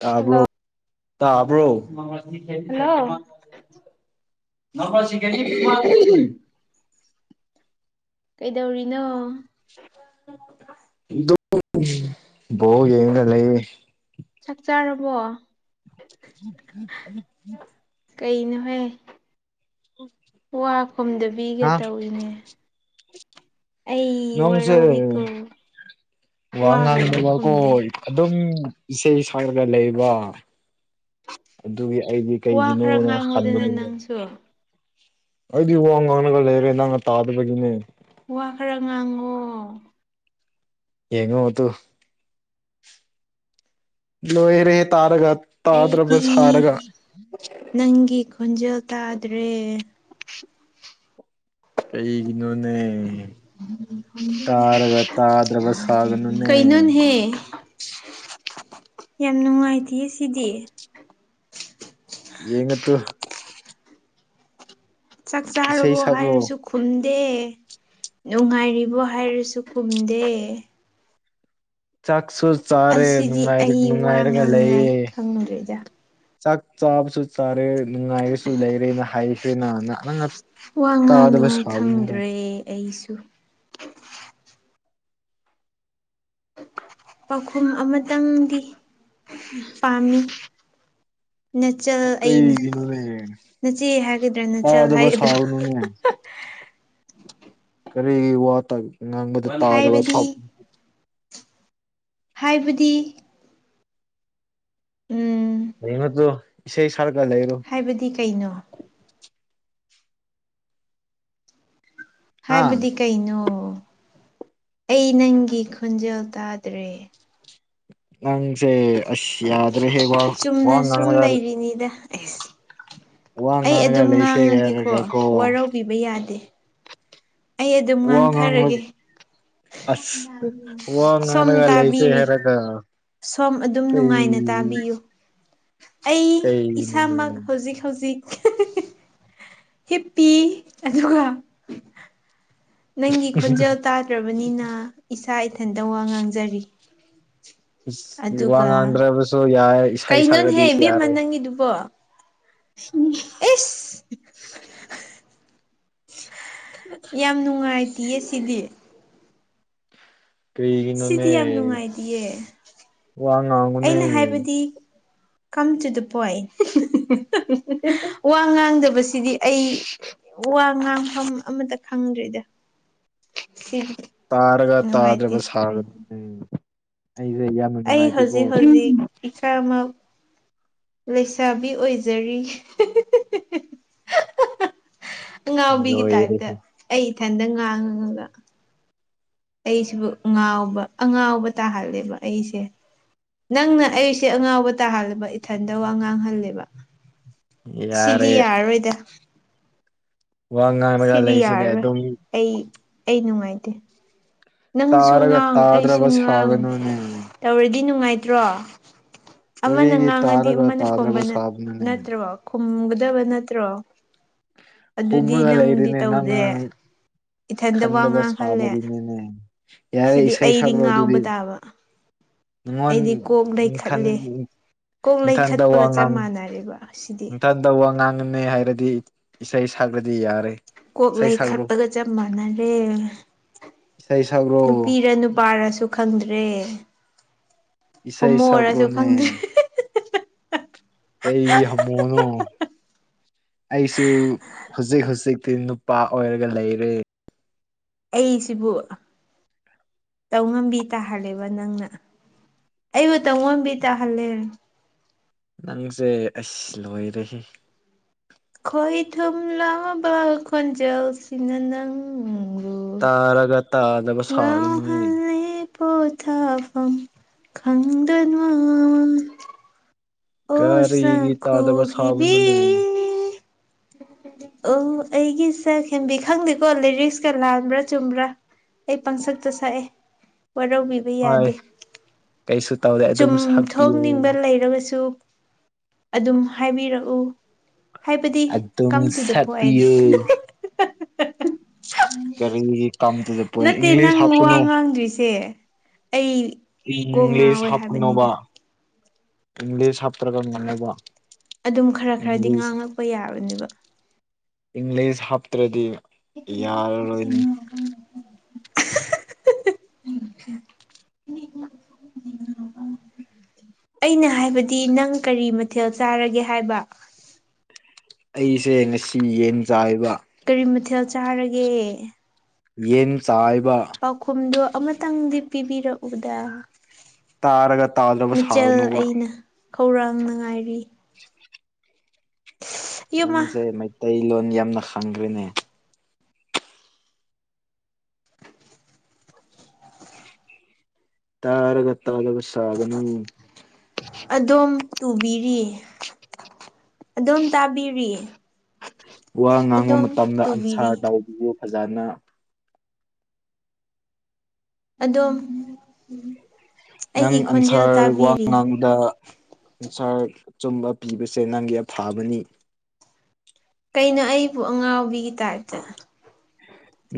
ꯇꯥꯕ꯭ꯔꯣ ꯍꯜꯂꯣ ꯇꯕ꯭ꯔꯣ ꯍꯜꯂꯣ ꯅꯄꯥꯁꯤ ꯀꯅꯤ ꯐꯃ ꯀꯩꯗꯧꯔꯤꯅꯣ ꯣ ꯌꯦꯅ ꯂꯩ ꯆꯥꯛ ꯆꯥꯔꯕꯣ ꯎꯝ ꯎꯝ ꯎꯝ ꯀꯩꯅꯣꯍ ꯋꯥ ꯈꯨꯝꯗꯕꯤꯒ ꯍꯥ ꯇꯧꯏꯅꯦ ꯑꯩ ꯅꯣꯡꯁꯦ ꯋꯥꯔꯧꯏꯀꯣ ꯋꯥ ꯋꯥꯒ ꯉꯥꯡꯗ ꯑꯝꯇ ꯋꯥ ꯀꯣ ꯈꯨꯝꯗꯦ ꯑꯗꯨꯝ ꯏꯁꯩꯆ ꯁꯛꯔꯒ ꯂꯩꯕ ꯑꯗꯨꯒꯤ ꯑꯩꯗꯤ ꯀꯩ ꯅꯣꯅ ꯈꯅꯤ ꯁꯨ ꯑꯩꯗꯤ ꯋꯥ ꯉꯥꯡꯂꯒ ꯂꯩꯔꯦ ꯅꯪꯅ ꯇꯥꯗꯕꯒꯤꯅꯦ ꯋꯥ ꯈꯔ ꯉꯥꯡꯉꯣ ꯌꯦꯡꯉꯗꯨ ꯂꯣꯍꯤ ꯔꯦ ꯇꯥꯔꯒ ꯇꯥꯗꯔꯕꯁ ꯑꯩꯗꯤ ꯍꯔꯒ ꯅꯪꯒꯤ ꯈꯣꯟꯖꯦꯜ ꯇꯥꯗ꯭ꯔꯦ ꯀꯩ ꯏꯅꯣꯅꯦ ꯇꯥꯔꯒ ꯇꯥꯗ꯭ꯔꯒ ꯁꯒꯅꯨꯅꯦ ꯄꯦ ꯌꯥꯝ ꯅꯨꯡꯉꯥꯏꯇꯦ ꯁꯤꯗꯤ ꯌꯦꯉꯠꯇ ꯆꯥꯛ ꯏꯁꯩ ꯆꯥꯔꯨꯕꯣ ꯁꯛꯔꯣ ꯍꯥꯏꯔꯁꯨ ꯈꯨꯝꯗꯦ ꯅꯨꯡꯉꯥꯏꯔꯤꯕꯣ ꯍꯥꯏꯔꯁꯨ ꯈꯨꯝꯗꯦ ꯆꯥꯛꯁꯨ ꯆꯥꯔꯦ ꯑꯁꯤꯗꯤ ꯑꯩ ꯋꯥ ꯅꯨꯡꯉꯥꯏꯔꯒ ꯉꯥꯡꯅꯤꯉꯥꯏ ꯂꯩꯌꯦ ꯈꯪꯗ꯭ꯔꯦꯗ ꯆꯥꯛ ꯆꯥꯕꯁꯨ ꯆꯥꯔꯦ ꯅꯨꯡꯉꯥꯏꯔꯁꯨ ꯂꯩꯔꯦꯅ ꯍꯥꯏꯈ꯭ꯔꯦꯅ ꯅꯪ ꯋꯥ ꯉꯥꯡꯅꯤꯉꯥꯏ ꯈꯪꯗ꯭ꯔꯦ ꯑꯩꯁꯨ ꯄꯥꯎꯈꯨꯝ ꯑꯃꯇꯪꯗꯤ ꯄꯥꯝꯃꯤ ꯅꯆꯜ ꯀꯩ ꯑꯩꯅ ꯀꯅꯅꯦ ꯅꯆꯦ ꯍꯥꯏꯒꯗ꯭ꯔꯥ ꯑ ꯅꯆꯜ ꯑꯗꯨꯁ ꯍꯥꯏꯒꯗ꯭ꯔꯥ ꯍꯥꯎꯅꯅꯦ ꯀꯔꯤ ꯋꯥ ꯉꯥꯡꯕꯗ ꯇꯥꯗꯕ ꯍꯥꯏꯕꯗꯤ ꯍꯥꯏꯕꯗꯤ ꯎꯝ ꯍꯅꯠꯇꯣ ꯏꯁꯩꯦ ꯁꯔꯀ ꯂꯩꯔꯣ ꯍꯥꯏꯕꯗꯤ ꯀꯩꯅꯣ ꯍꯥ ꯍꯥꯏꯕꯗꯤ ꯀꯩꯅꯣ ꯑꯩ ꯅꯪꯒꯤ ꯈꯣꯟꯖꯦꯜ ꯇꯥꯗ꯭ꯔꯦ ꯅꯪꯁꯦ ꯑꯁ꯭ꯔꯦ ꯍꯦꯒ ꯋꯥ ꯋꯥ ꯅꯪꯒ ꯏꯅꯤꯗ [unintelligible] ꯑꯩ ꯉꯥꯡꯂꯒ ꯑꯗꯨꯝ ꯂꯩꯁꯦ ꯉꯥꯡꯉꯒꯦꯀꯣ ꯍꯥꯏꯔꯒ ꯀꯣ ꯋꯥꯔꯧꯕꯤꯕ ꯌꯥꯗꯦ ꯑꯩ ꯑꯗꯨꯝ ꯋꯥ ꯉꯥꯡꯊꯔꯒꯦ ꯉꯥꯡꯂꯒ ꯑꯁ ꯋꯥ ꯉꯥꯡꯂꯒ ꯂꯩꯁꯦ ꯁꯝꯇꯥꯕꯤꯔꯤ ꯍꯥꯏꯔꯒ ꯁꯣꯝ ꯑꯗꯨꯝ ꯀꯩ ꯅꯨꯡꯉꯥꯏꯅ ꯇꯥꯕꯤꯌꯨ ꯑꯩ ꯀꯩꯅꯣꯅꯦ ꯏꯁꯥꯃꯛ ꯍꯧꯖꯤꯛ ꯍꯧꯖꯤꯛ ꯍꯞ ꯄꯤ ꯑꯗꯨꯒ ꯅꯪꯒꯤ ꯈꯣꯟꯖꯦꯜ ꯇꯥꯗ꯭ꯔꯕꯅꯤꯅ ꯏꯁꯥ ꯏꯊꯟꯇ ꯋꯥ ꯉꯥꯡꯖꯔꯤ ꯏꯁ ꯋꯥ ꯑꯗꯨꯒ ꯉꯥꯡꯗ꯭ꯔꯕꯁꯨ ꯌꯥꯏ ꯏꯁꯩ ꯀꯩꯅꯣꯍꯦ ꯁꯛꯂꯗꯤ ꯏꯕꯦꯝꯃ ꯌꯥꯔꯦ ꯅꯪꯒꯤꯗꯨꯕꯣ ꯎ ꯏꯁ ꯌꯥꯝ ꯅꯨꯡꯉꯥꯏꯇꯌꯦ ꯁꯤꯗꯤ ꯀꯅꯅꯦ ꯁꯤꯗꯤ ꯌꯥꯝ ꯅꯨꯡꯉꯥꯏꯇꯤꯌꯦ ꯋꯥꯉꯣ ꯑꯩꯅ ꯍꯥꯏꯕꯗꯤ ꯀꯝ ꯇꯨ ꯗ ꯄꯣꯏꯟ ꯋꯥ ꯉꯥꯡꯗꯕꯁꯤꯗꯤ ꯑꯩ ꯋꯥ ꯉꯥꯡꯐꯝ ꯑꯃꯇ ꯈꯪꯗ꯭ꯔꯤꯗ ꯁꯤ ꯇꯥꯔꯒ ꯇꯥꯗ꯭ꯔꯕ ꯁꯥꯕꯗꯝ ꯑꯩꯁꯦ ꯌꯥꯝꯅ ꯑꯩ ꯅꯨꯡꯉꯥꯏꯕꯤꯀꯣ ꯍꯧꯖꯤꯛ [unintelligible] ꯂꯩꯁꯥꯕꯤ ꯑꯣꯏꯖꯔꯤ [unintelligible] ꯉꯥꯎꯕꯤꯒꯤ ꯇꯥꯏꯞꯇ ꯂꯣꯏꯔꯦꯍꯦ ꯑꯩ ꯏꯊꯟꯇ ꯉꯥꯡꯉꯉꯒ ꯑꯩꯁꯤꯕꯨ ꯉꯥꯎꯕ ꯑꯉꯥꯎꯕ ꯇꯥꯍꯜꯂꯦꯕ ꯑꯩꯁꯦ ꯅꯪꯅ ꯑꯩꯁꯦ ꯑꯉꯥꯎꯕ ꯇꯥꯍꯜꯂꯦꯕ ꯏꯊꯟꯗ ꯋꯥ ꯉꯥꯡꯍꯜꯂꯦꯕ ꯁꯤꯗꯤ ꯌꯥꯔꯦ ꯌꯥꯔꯔꯣꯏꯗ ꯋꯥ ꯉꯥꯡꯔꯒ ꯁꯤꯗꯤ ꯂꯩꯁꯤꯅꯦ ꯌꯥꯔꯔꯣꯏ ꯑꯗꯨꯝ ꯑꯩ ꯑꯩ ꯅꯨꯡꯉꯥꯏꯇꯦ ꯅꯪꯁꯨ ꯇꯥꯔꯒ ꯉꯥꯡ ꯑꯩꯁꯨ ꯇꯥꯗ꯭ꯔꯕ ꯉꯥꯡ ꯁꯥꯒꯅꯨꯅꯦ ꯇꯧꯔꯗꯤ ꯅꯨꯡꯉꯥꯏꯇ꯭ꯔꯣ ꯑꯃꯅ ꯀꯔꯤꯒꯤ ꯉꯥꯡꯉꯗꯤ ꯇꯥꯔꯒ ꯑꯃꯅ ꯈꯨꯝꯕ ꯇꯥꯗ꯭ꯔꯕ ꯁꯥꯕꯅꯣꯅꯦ ꯅꯠꯇ꯭ꯔꯣ ꯈꯨꯝꯒꯗꯕ ꯅꯠꯇ꯭ꯔꯣ ꯑꯗꯨꯗꯤ ꯍꯨꯝꯔꯒ ꯅꯪꯗꯤ ꯂꯩꯔꯦꯅꯦ ꯇꯧꯗꯦ ꯅꯪꯅ ꯏꯊꯟꯇ ꯋꯥ ꯈꯪꯗꯕ ꯉꯥꯡꯍꯜꯂꯦ ꯁꯥꯕꯒꯤꯅꯤꯅꯦ ꯌꯥꯔꯦ ꯁꯤꯗꯤ ꯏꯁꯩ ꯑꯩꯗꯤ ꯁꯛꯔꯣ ꯉꯥꯎꯕ ꯑꯗꯨꯗꯤ ꯇꯥꯕ ꯅꯪꯉꯣꯟ ꯑꯩꯗꯤ ꯀꯣꯛ ꯅꯊꯟ ꯂꯩꯈꯠꯂꯦ ꯀꯣꯛ ꯂꯩꯈꯠꯄꯒ ꯆꯞ ꯃꯥꯟꯅꯔꯦꯕ ꯁꯤꯗꯤ ꯝꯊ ꯇꯧꯕ ꯋꯥ ꯉꯥꯡꯉꯅꯤ ꯍꯥꯏꯔꯗꯤ ꯏꯁꯩ ꯁꯛꯈ꯭ꯔꯗꯤ ꯌꯥꯔꯦ ꯀꯣꯛ ꯏꯁꯩ ꯂꯩꯩ ꯁꯛꯔꯣ ꯈꯠꯄꯒ ꯆꯞ ꯃꯥꯟꯅꯔꯦ ꯏꯁꯥꯏ ꯁꯒ꯭ꯔ ꯅꯨꯄꯤꯔ ꯅꯨꯄꯥꯔꯁꯨ ꯈꯪꯗ꯭ꯔꯦ ꯏꯁꯩ ꯍꯣꯃꯣꯔꯁꯨ ꯁꯛꯔꯣꯅꯦ ꯈꯪꯗ꯭ꯔꯦ ꯀꯩꯒꯤ ꯍꯝꯃꯣꯅꯣ ꯑꯩꯁꯨ ꯍꯧꯖꯤꯛ ꯍꯧꯖꯤꯛꯇꯤ ꯅꯨꯄꯥ ꯑꯣꯏꯔꯒ ꯂꯩꯔꯦ ꯑꯩꯁꯤꯕꯨ ꯇꯧꯉꯝꯕꯤ ꯇꯥꯍꯜꯂꯦꯕ ꯅꯪꯅ ꯑꯩꯕꯨ ꯇꯧꯉꯝꯕꯤ ꯇꯥꯍꯜꯂꯦ ꯅꯪꯁꯦ ꯑꯁ ꯂꯣꯏꯔꯦꯍꯦ ꯈꯣꯏ ꯊꯨꯝ ꯂꯕ ꯈꯟꯖꯦꯜꯁꯤꯅ ꯅꯪ ꯇꯥꯔꯒ ꯇꯥꯗꯕ ꯁꯥꯎꯒꯅꯨꯅꯦ ꯄꯣꯊꯥ ꯐꯝ ꯈꯪꯗꯅꯥ ꯑꯣ ꯀꯔꯤꯒꯤ ꯁꯛ ꯇꯥꯗꯕ ꯍꯨꯈꯤꯕꯤ ꯁꯥꯕꯅꯣꯅꯦ ꯑꯣ ꯑꯩꯒꯤ ꯁꯦꯛꯍꯦꯟꯕꯤ ꯈꯪꯗꯦꯀꯣ ꯂꯤꯔꯤꯛꯁꯀ ꯂꯥꯟꯕ꯭ꯔꯥ ꯆꯨꯝꯕ꯭ꯔꯥ ꯑꯩ ꯄꯪꯁꯛꯇ ꯁꯛꯑꯦ ꯋꯥꯔꯧꯕꯤ ꯍꯣꯏ ꯌꯥꯗꯦ ꯀꯩꯁꯨ ꯇꯧꯗꯦ ꯑꯗꯨꯝ ꯁꯛꯄꯤꯌꯨ ꯆꯨꯝꯊꯣꯅꯤꯡꯕ ꯂꯩꯔꯒꯁꯨ ꯑꯗꯨꯝ ꯍꯥꯏꯕꯤꯔꯛꯎ ꯍꯥꯏꯕꯗꯤ ꯑꯗꯨꯝ ꯀꯝ ꯇꯨ ꯗ ꯄꯣꯟ ꯁꯛꯄꯤꯌꯨ ꯀꯔꯤꯒꯤ ꯀꯝ ꯇꯨ ꯗ ꯄꯣꯏꯟ ꯅꯠꯇꯦ ꯏꯪꯂꯤꯁ ꯅꯪ ꯋꯥ ꯍꯥꯞꯀꯅꯣ ꯉꯥꯡꯗ꯭ꯔꯤꯁꯦ ꯑꯩ ꯀꯣꯛ ꯏꯪꯂꯤꯁ ꯉꯥꯎꯋꯦ ꯍꯥꯞꯀꯅꯣꯕ ꯍꯥꯏꯕꯅꯤꯗ ꯏꯪꯂꯤꯁ ꯍꯥꯞꯇ꯭ꯔꯒ ꯉꯅꯣꯕ ꯑꯗꯨꯝ ꯈꯔ ꯈꯔꯗꯤ ꯉꯥꯡꯉꯛꯄ ꯌꯥꯕꯅꯦꯕ ꯏꯪꯂꯤꯁ ꯍꯥꯞꯇ꯭ꯔꯗꯤ ꯌꯥꯔꯔꯣꯏꯅꯤ [unintelligible] [unintelligible] ꯑꯩꯅ ꯍꯥꯏꯕꯗꯤ ꯅꯪ ꯀꯔꯤ ꯃꯊꯦꯜ ꯆꯥꯔꯒꯦ ꯍꯥꯏꯕ ꯑꯩꯁꯦ ꯉꯁꯤ ꯌꯦꯟ ꯆꯥꯌꯦꯕ ꯀꯔꯤ ꯃꯊꯦꯜ ꯆꯥꯔꯒꯦ ꯌꯦꯟ ꯆꯥꯏꯕꯌꯦꯕ ꯄꯥꯎꯈꯨꯝꯗꯣ ꯑꯃꯇꯪꯗꯤ ꯄꯤꯕꯤꯔꯛꯎꯗ ꯇꯥꯔꯒ ꯇꯥꯗ꯭ꯔꯕ ꯅꯆꯜ ꯁꯥꯒꯅꯨꯕ ꯑꯩꯅ ꯈꯧꯔꯥꯡꯅ ꯉꯥꯏꯔꯤ ꯏꯌꯨꯝꯃ ꯅꯪꯁꯦ ꯃꯩꯇꯩꯂꯣꯟ ꯌꯥꯝꯅ ꯈꯪꯈ꯭ꯔꯦꯅꯦ ꯇꯔꯒ ꯇꯥꯗꯕ ꯁꯥꯒꯅꯨ ꯑꯗꯣꯝ ꯇꯨꯕꯤꯔꯤ ꯑꯗꯨꯝ ꯇꯥꯕꯤꯔꯤ ꯋꯥ ꯉꯥꯡꯕ ꯑꯗꯣꯝ ꯃꯇꯝꯗ ꯇꯨꯕꯤꯔꯤ ꯑꯟꯁꯥꯔ ꯇꯧꯕꯤꯌꯣꯐꯖꯅ ꯑꯗꯣꯝ ꯅꯪ ꯑꯩꯒꯤ ꯈꯣꯟꯖꯦꯜ ꯑꯟꯁꯥꯔ ꯋꯥ ꯇꯥꯕꯤꯔꯤ ꯉꯥꯡꯕꯗ ꯑꯟꯁꯥꯔ ꯑꯆꯨꯝꯕ ꯄꯤꯕꯁꯦ ꯅꯪꯒꯤ ꯑꯐꯥꯕꯅꯤ ꯀꯩꯅꯣ ꯑꯩꯕꯨ ꯑꯉꯥꯎꯕꯤꯒꯤ ꯇꯥꯏꯞꯇ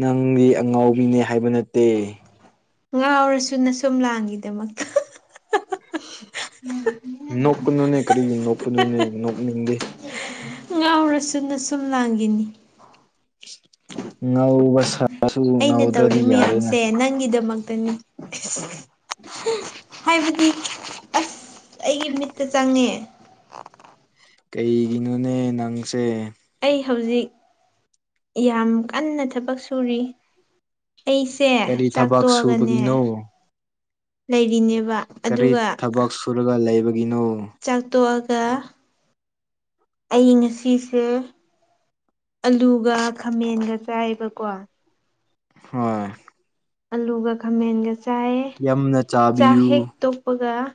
ꯅꯪꯗꯤ ꯑꯉꯥꯎꯕꯤꯅꯦ ꯍꯥꯏꯕ ꯅꯠꯇꯦ ꯉꯥꯎꯔꯁꯨ ꯅꯁꯨꯝ ꯂꯥꯡꯒꯤꯗꯃꯛꯇ ꯅꯣꯛꯀꯅꯨꯅꯦ ꯀꯔꯤꯒꯤ ꯅꯣꯛꯄꯅꯣꯅꯦ ꯅꯣꯛꯅꯤꯡꯗꯦ ꯉꯥꯎꯔꯁꯨꯅꯁꯨꯝ ꯂꯥꯡꯒꯤꯅꯦ ꯉꯧꯕꯁ ꯑꯩꯅ ꯇꯧꯔꯤ ꯃꯌꯥꯝꯁꯦ ꯅꯪꯒꯤꯗꯃꯛꯇꯅꯦ ꯍꯥꯏꯕꯗꯤ ꯑꯁ ꯑꯩꯒꯤ ꯃꯤꯠꯇ ꯆꯪꯉꯦ ꯀꯩꯒꯤꯅꯣꯅꯦ ꯅꯪꯁꯦ ꯑꯩ ꯍꯧꯖꯤꯛ ꯌꯥꯝ ꯀꯟꯅ ꯊꯕꯛ ꯁꯨꯔꯤ ꯑꯩ ꯀꯔꯤ [unintelligible] ꯊꯕꯛ ꯆꯥꯛꯇꯣꯛꯑꯒꯅꯦ ꯁꯨꯕꯒꯤꯅꯣ ꯂꯩꯔꯤꯅꯦꯕ ꯀꯔꯤ ꯑꯗꯨꯒ ꯊꯕꯛ ꯁꯨꯔꯒ ꯂꯩꯕꯒꯤꯅꯣ ꯆꯥꯛ ꯇꯣꯛꯑꯒ ꯑꯩ ꯉꯁꯤꯁꯦ ꯑꯂꯨꯒ ꯈꯥꯃꯦꯟꯒ ꯆꯥꯏꯌꯦꯕꯀꯣ [unintelligible] ꯑꯂꯨꯒ ꯈꯥꯃꯦꯟꯒ ꯆꯥꯏꯌꯦ ꯌꯥꯝꯅ ꯆꯥꯛ ꯆꯥꯕꯤꯌꯨ ꯍꯦꯛ ꯇꯣꯛꯄꯒ ꯍꯣꯏꯒ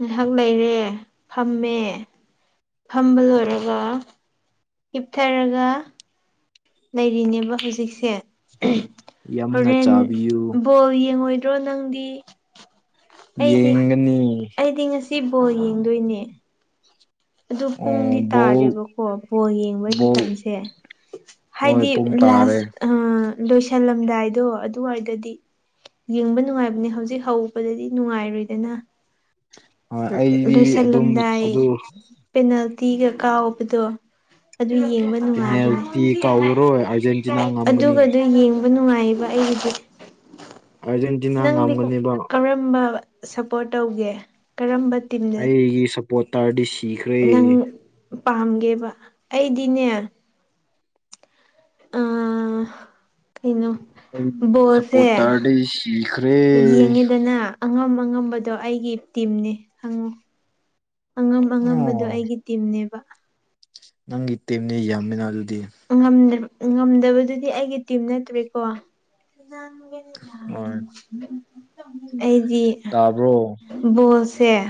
ꯉꯥꯏꯍꯥꯛ ꯂꯩꯔꯦ ꯐꯝꯃꯦ ꯐꯝꯕ ꯂꯣꯏꯔꯒ ꯍꯤꯞꯊꯔꯒ ꯂꯩꯔꯤꯅꯦꯕ ꯍꯧꯖꯤꯛꯁꯦ ꯌꯥꯝꯅ ꯍꯣꯔꯦꯟ ꯆꯥꯕꯤꯌꯨ ꯄꯣꯜ ꯌꯦꯡꯉꯣꯏꯗ꯭ꯔꯣ ꯅꯪꯗꯤ ꯌꯦꯡꯒꯅꯤ ꯑꯩꯗꯤ-ꯑꯩꯗꯤ ꯉꯁꯤ ꯕꯣꯜ ꯌꯦꯡꯗꯣꯏꯅꯦ ꯑꯗꯨ ꯄꯨꯡꯗꯤ ꯑꯣ ꯕꯣꯜ ꯇꯥꯔꯦꯕꯀꯣ ꯕꯣꯜ ꯌꯦꯡꯕꯩ ꯕꯣꯜ ꯃꯇꯝꯁꯦ ꯍꯣꯏ ꯍꯥꯏꯗꯤ ꯄꯨꯡ ꯇꯥꯔꯦ ꯂꯥꯁ ꯂꯣꯏꯁꯜꯂꯝꯗꯥꯏꯗꯣ ꯑꯗꯨꯋꯥꯏꯗꯗꯤ ꯌꯦꯡꯕ ꯅꯨꯡꯉꯥꯏꯕꯅꯦ ꯍꯧꯖꯤꯛ ꯍꯧꯕꯗꯗꯤ ꯅꯨꯡꯉꯥꯏꯔꯣꯏꯗꯅ ꯍꯣꯏ ꯑꯩꯗꯤ ꯑꯗꯨꯝ ꯂꯣꯏꯁꯜꯂꯝꯗꯥꯏ ꯑꯗꯨ ꯄꯦꯅꯥꯜꯇꯤꯒ ꯀꯥꯎꯕꯗꯣ ꯑꯗꯨ ꯌꯦꯡꯕ ꯅꯨꯡꯉꯥꯏꯕꯅꯤ ꯄꯦꯅꯥꯜꯇꯤ ꯀꯥꯎꯔꯔꯣꯏ ꯑꯥꯔꯖꯦꯟꯇꯤꯅꯥ ꯉꯝꯒꯅꯤ ꯑꯗꯨꯒ ꯑꯗꯨ ꯌꯦꯡꯕ ꯅꯨꯡꯉꯥꯏꯌꯦꯕ ꯑꯩꯒꯤꯗꯤ ꯑꯥꯔꯖꯦꯟꯇꯤꯅꯥ ꯅꯪꯗꯤ ꯉꯝꯒꯅꯦꯕ ꯀꯔꯝꯕ ꯁꯞꯄꯣꯔꯠ ꯇꯧꯒꯦ ꯀꯔꯝꯕ ꯇꯤꯝꯗ ꯑꯩꯒꯤ ꯁꯞꯄꯣꯇꯔꯗꯤ ꯁꯤꯈ꯭ꯔꯦ ꯅꯪ ꯄꯥꯝꯒꯦꯕ ꯑꯩꯗꯤꯅꯦ ꯑꯥ ꯀꯩꯅꯣ ꯕꯣꯜꯁꯦ ꯁꯞꯄꯣꯔꯇꯔꯗꯤ ꯁꯤꯈ꯭ꯔꯦ ꯌꯦꯡꯉꯦꯗꯅ ꯑꯉꯝ ꯑꯉꯝꯕꯗꯣ ꯑꯩꯒꯤ ꯇꯤꯝꯅꯤ ꯈꯪꯉꯨ ꯑꯉꯝ ꯑꯉꯝꯕꯗꯣ ꯑꯣ ꯑꯩꯒꯤ ꯇꯤꯝꯅꯦꯕ ꯅꯪꯒꯤ ꯇꯤꯝꯗꯤ ꯌꯥꯝꯃꯤꯅ ꯑꯗꯨꯗꯤ ꯉꯝꯗ ꯉꯝꯗꯕꯗꯨꯗꯤ ꯑꯩꯒꯤ ꯇꯤꯝ ꯅꯠꯇ꯭ꯔꯦꯀꯣ ꯍꯣꯏ ꯑꯩꯗꯤ ꯇꯥꯕ꯭ꯔꯣ ꯕꯣꯜ ꯁꯦ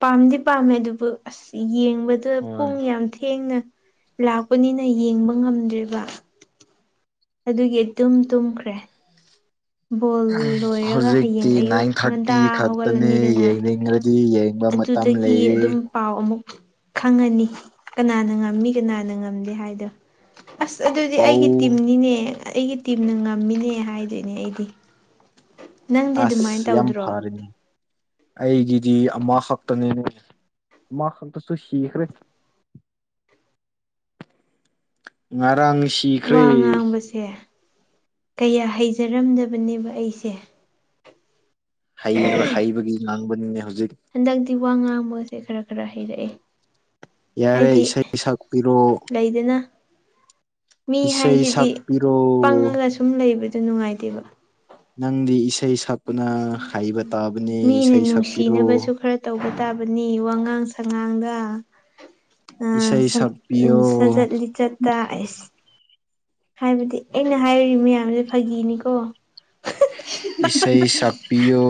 ꯄꯥꯝꯗꯤ ꯄꯥꯝꯃꯦ ꯑꯗꯨꯕꯨ ꯑꯁ ꯌꯦꯡꯕꯗꯨ ꯍꯣꯏ ꯄꯨꯡ ꯌꯥꯝ ꯊꯦꯡꯅ ꯂꯥꯛꯄꯅꯤꯅ ꯌꯦꯡꯕ ꯉꯝꯗ꯭ꯔꯤꯕ ꯑꯗꯨꯒꯤ ꯑꯇꯨꯝ ꯇꯨꯝꯈ꯭ꯔꯦ ꯕꯣꯜ ꯂꯣꯏꯔꯒ ꯍꯧꯖꯤꯛꯇꯤ ꯍꯌꯦꯡ ꯑꯌꯨꯛ ꯅꯥꯏꯟ ꯉꯟꯇꯥ ꯊꯥꯔꯇꯤ ꯈꯛꯇꯅꯦ ꯍꯧꯒꯠꯂꯅꯤꯗꯅ ꯌꯦꯡꯅꯤꯡꯔꯗꯤ ꯌꯦꯡꯕ ꯃꯇꯝ ꯑꯗꯨꯗꯒꯤ ꯂꯩꯌꯦ ꯑꯗꯨꯝ ꯄꯥꯎ ꯑꯃꯨꯛ ꯈꯪꯉꯅꯤ ꯀꯅꯥꯅ ꯉꯝꯃꯤ ꯀꯅꯥꯅ ꯉꯝꯗꯦ ꯍꯥꯏꯗꯣ ꯑꯁ ꯑꯗꯨꯗꯤ ꯄꯧ ꯑꯩꯒꯤ ꯇꯤꯝꯅꯤꯅꯦ ꯑꯩꯒꯤ ꯇꯤꯝꯅ ꯉꯝꯃꯤꯅꯦ ꯍꯥꯏꯗꯣꯏꯅꯦ ꯑꯩ ꯍꯤꯞꯄꯤ ꯑꯁ ꯌꯥꯝ ꯐꯔꯦꯅꯦ ꯑꯩꯒꯤꯗꯤ ꯑꯃ ꯈꯛꯇꯅꯤꯅꯦ ꯑꯃꯈꯛꯇꯁꯨ ꯁꯤꯈ꯭ꯔꯦ ꯉꯔꯥꯡ ꯁꯤꯈ꯭ꯔꯦ ꯋꯥ ꯉꯥꯡꯕꯁꯦ ꯀꯌꯥ ꯍꯩꯖꯔꯝꯗꯕꯅꯦꯕ ꯑꯩꯁꯦ ꯍꯩ ꯍꯩꯕꯒꯤ ꯉꯥꯡꯕꯅꯤꯅꯦ ꯍꯧꯖꯤꯛ ꯍꯟꯗꯛꯇꯤ ꯋꯥ ꯉꯥꯡꯕꯁꯦ ꯈꯔ ꯈꯔ ꯍꯩꯔꯛꯑꯦ ꯌꯥꯔꯦ ꯍꯥꯏꯗꯤ ꯏꯁꯩ ꯁꯛꯄꯤꯔꯣ ꯂꯩꯗꯅ ꯃꯤ ꯏꯁꯩ ꯍꯥꯏꯁꯤꯗꯤ ꯁꯛꯄꯤꯔꯣ ꯄꯪꯉꯒ ꯁꯨꯝ ꯂꯩꯕꯗꯨ ꯅꯨꯡꯉꯥꯏꯇꯦꯕ ꯅꯪꯗꯤ ꯏꯁꯩ ꯁꯛꯄꯅ ꯍꯩꯕ ꯇꯥꯕꯅꯦ ꯃꯤꯅ ꯏꯁꯩ ꯁꯛꯄꯤꯔꯣ ꯅꯨꯡꯁꯤꯅꯕꯁꯨ ꯈꯔ ꯇꯧꯕ ꯇꯥꯕꯅꯤ ꯋꯥꯉꯥꯡ ꯁꯉꯥꯡꯗ ꯏꯁꯩ ꯁꯛꯄꯤꯌꯣ ꯁꯖꯠ ꯂꯤꯆꯠ ꯇ ꯑꯩꯁ ꯍꯥꯏꯕꯗꯤ ꯑꯩꯅ ꯍꯥꯏꯔꯤꯕ ꯃꯌꯥꯝꯁꯦ ꯐꯥꯒꯤꯅꯤꯀꯣ ꯏꯁꯩ ꯁꯛꯄꯤꯌꯣ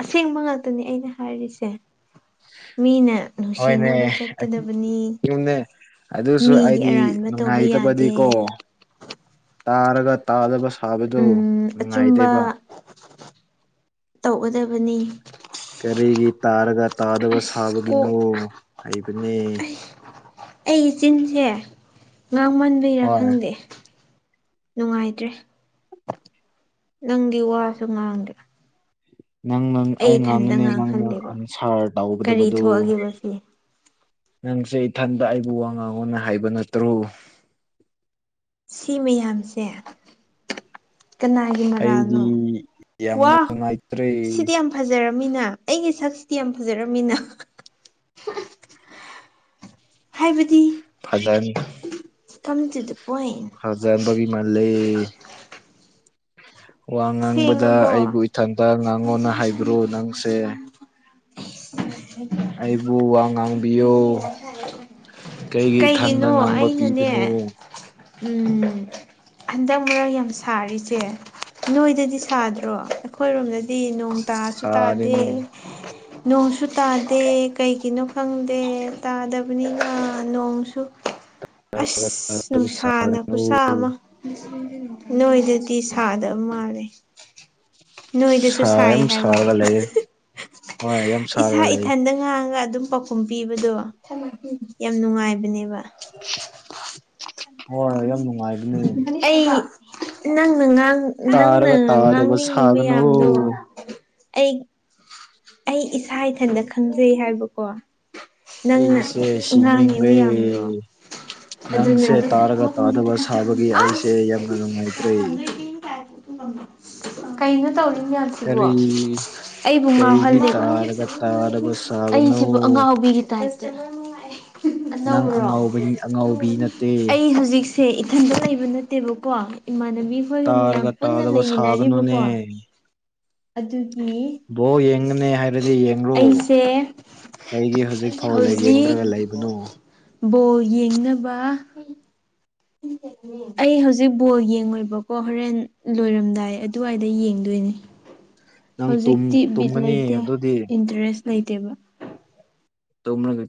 ꯑꯁꯦꯡꯕ ꯉꯥꯛꯇꯅꯦ ꯑꯩꯅ ꯍꯥꯏꯔꯤꯁꯦ ꯃꯤꯅ ꯍꯣꯏꯅꯦ ꯅꯨꯡꯁꯤꯅꯕ ꯆꯠꯀꯗꯕꯅꯤ [unintelligible] ꯑꯗꯨꯁꯨ ꯃꯤꯒꯤ ꯑꯩꯗꯤ ꯑꯔꯥꯟꯕ ꯇꯧꯕ ꯅꯨꯡꯉꯥꯏꯇꯕꯗꯤꯀꯣ ꯌꯥꯗꯦ ꯇꯥꯔꯒ ꯇꯥꯗꯕ ꯊꯥꯕꯗꯨ ꯎꯝ ꯅꯨꯡꯉꯥꯏꯇꯦꯕ ꯑꯆꯨꯝꯕ ꯇꯧꯒꯗꯕꯅꯤ ꯀꯔꯤꯒꯤ ꯇꯥꯔꯒ ꯇꯥꯗꯕ ꯑꯁ ꯁꯥꯕꯒꯤꯅꯣ ꯍꯩꯕꯅꯦ ꯑꯩ ꯆꯤꯟꯁꯦ ꯉꯥꯡꯃꯟꯕꯩꯔꯥ ꯍꯣꯏ ꯈꯪꯗꯦ ꯅꯨꯡꯉꯥꯏꯇ꯭ꯔꯦ ꯅꯪꯗꯤ ꯋꯥꯁꯨ ꯉꯥꯡꯗꯦ ꯅꯪꯅꯪ ꯑꯩ ꯏꯊꯟꯇ ꯉꯥꯡꯍꯜꯂꯦꯕ ꯀꯔꯤ ꯇꯧꯒꯗꯕꯗꯨ ꯊꯣꯛꯑꯒꯦꯕ ꯁꯤ ꯅꯪꯁꯦ ꯏꯊꯟꯗ ꯑꯩꯕꯨ ꯋꯥ ꯉꯥꯡꯉꯣꯅ ꯍꯥꯏꯕ ꯅꯠꯇ꯭ꯔꯣ ꯁꯤ ꯃꯌꯥꯝꯁꯦ ꯀꯅꯥꯒꯤ ꯃꯔꯥꯜꯅꯣ ꯑꯩꯗꯤ ꯌꯥꯝꯅ ꯋꯥ ꯅꯨꯡꯉꯥꯏꯇ꯭ꯔꯦ ꯁꯤꯗꯤ ꯌꯥꯝ ꯐꯖꯔꯝꯃꯤꯅ ꯑꯩꯒꯤ ꯁꯛꯁꯤꯗꯤ ꯌꯥꯝ ꯐꯖꯔꯝꯃꯤꯅ ꯍꯥꯏꯕꯗꯤ [unintelligible] ꯀꯝ ꯇꯨꯗꯥ ꯄꯣꯏꯟ [unintelligible] ꯃꯥꯥꯜꯂꯦ ꯉꯥꯡꯕꯗ ꯁꯦꯡꯉꯕꯣ ꯑꯩꯕꯨ ꯏꯊꯟꯇ ꯉꯥꯡꯉꯣꯅ ꯍꯥꯏꯕ꯭ꯔꯣ ꯅꯪꯁꯦ [unintelligible] [unintelligible] ꯑꯩꯕꯨ ꯋꯥ ꯉꯥꯡꯕꯤꯌꯣ ꯀꯩꯒꯤ ꯏꯊꯟꯗ ꯀꯩꯒꯤꯅꯣ ꯉꯥꯡꯕ ꯄꯤꯕꯅꯣ ꯑꯩꯅꯅꯦ ꯎꯝ ꯍꯟꯗꯛ ꯃꯔꯛ ꯌꯥꯝ ꯁꯥꯔꯤꯁꯦ ꯅꯣꯏꯗꯗꯤ ꯁꯥꯗ꯭ꯔꯣ ꯑꯩꯈꯣꯏꯔꯣꯝꯗꯗꯤ ꯅꯣꯡ ꯇꯥꯁꯨ ꯇꯥꯗꯦ ꯁꯥꯔꯦꯅꯦ ꯅꯣꯡꯁꯨ ꯇꯥꯗꯦ ꯀꯩꯒꯤꯅꯣ ꯈꯪꯗꯦ ꯇꯥꯗꯕꯅꯤꯅ ꯅꯣꯡꯁꯨ [inaudible] ꯑꯁ ꯅꯨꯡꯁꯥꯅ ꯁꯥꯒꯅꯨ ꯈꯨꯁꯥ ꯑꯃ ꯅꯣꯏꯗꯗꯤ ꯁꯥꯗꯕ ꯃꯥꯜꯂꯦ ꯅꯣꯏꯗꯁꯨ ꯁꯥꯏ ꯌꯥꯝ ꯁꯥꯔꯒ ꯍꯥꯏꯕ ꯂꯩꯌꯦ [unintelligible] ꯏꯁꯥ ꯂꯩꯌꯦ ꯏꯊꯟꯗ ꯉꯥꯡꯉꯥꯒ ꯑꯗꯨꯝ ꯄꯥꯎꯈꯨꯝ ꯄꯤꯕꯗꯣ ꯌꯥꯝ ꯅꯨꯡꯉꯥꯏꯕꯅꯦꯕ ꯍꯣꯏ ꯌꯥꯝ ꯅꯨꯡꯉꯥꯏꯕꯅꯦ ꯑꯩ ꯅꯪꯅ ꯉꯥꯡ ꯅꯪꯅ ꯇꯥꯔꯒ ꯇꯥꯗꯕ ꯉꯥꯡꯅꯤꯡꯉꯤ ꯁꯥꯒꯅꯨ ꯃꯌꯥꯝꯗꯣ ꯑꯩ ꯑꯩ ꯏꯁꯥ ꯏꯊꯟꯇ ꯈꯪꯖꯩ ꯍꯥꯏꯕꯀꯣ ꯅꯪꯅ ꯑꯩꯁꯦ ꯉꯥꯡꯉꯤ ꯁꯤꯅꯤꯡꯔꯦ ꯃꯌꯥꯝꯗꯣ ꯅꯪꯁꯦ ꯑꯗꯨꯅꯅꯦ [unintelligible] ꯇꯥꯔꯒ ꯇꯥꯗꯕ ꯁꯥꯕꯒꯤ ꯑꯩꯁꯦ ꯌꯥꯝꯅ ꯅꯨꯡꯉꯥꯏꯇ꯭ꯔꯦ ꯀꯩꯅꯣ ꯇꯧꯔꯤ ꯃꯌꯥꯝꯁꯤꯕꯣ ꯀꯔꯤ ꯑꯩꯕꯨ ꯉꯥꯎ ꯀꯩꯒꯤ ꯇꯥꯔꯒ ꯇꯥꯗꯕ [unintelligible] ꯁꯥꯕꯅꯣ ꯑꯩꯁꯤꯕꯨ ꯑꯉꯥꯎꯕꯤꯒꯤ ꯇꯥꯏꯞꯇ ꯅꯪ ꯑꯅꯧꯕꯔꯣ ꯑꯉꯥꯎꯕꯅꯤ ꯑꯉꯥꯎꯕꯤ ꯅꯠꯇꯦ ꯑꯩ ꯍꯧꯖꯤꯛ ꯁꯦ ꯏꯊꯟꯗ ꯂꯩꯕ ꯅꯠꯇꯦꯕꯀꯣ ꯏꯃꯥꯟꯅꯕꯤꯈꯣꯏꯒ ꯃꯌꯥꯝ ꯇꯥꯔꯒ ꯄꯨꯟꯅ ꯇꯥꯗꯕ ꯁꯥꯒꯅꯨꯅꯦ ꯂꯩꯃꯤꯟꯅꯔꯤꯕꯀꯣ ꯑꯗꯨꯒꯤ ꯕꯣꯜ ꯌꯦꯡꯒꯅꯤ ꯍꯥꯏꯔꯗꯤ ꯌꯦꯡꯔꯣ ꯑꯩꯁꯦ ꯑꯩꯗꯤ ꯍꯧꯖꯤꯛ ꯐꯥꯎ ꯍꯧꯖꯤꯛ ꯌꯦꯡꯗ꯭ꯔꯒ ꯂꯩꯕꯅꯣ ꯕꯣꯜ ꯌꯦꯡꯅꯕ [inaudible] ꯑꯩ ꯍꯧꯖꯤꯛ ꯕꯣꯜ ꯌꯦꯡꯉꯣꯏꯕꯀꯣ ꯍꯣꯔꯦꯟ ꯂꯣꯏꯔꯝꯗꯥꯏ ꯑꯗꯨꯋꯥꯏꯗ ꯌꯦꯡꯗꯣꯏꯅꯦ ꯅꯪ ꯍꯧꯖꯤꯛꯇꯤ ꯕꯤꯠ ꯇꯨꯝꯒꯅꯤ ꯂꯩꯇꯦ ꯑꯗꯨꯗꯤ ꯏꯟꯇ꯭ꯔꯦꯁ ꯂꯩꯇꯦꯕ [unintelligible]